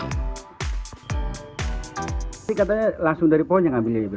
ini katanya langsung dari pohon yang ambil ya ibra